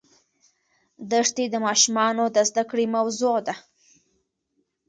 دښتې د ماشومانو د زده کړې موضوع ده.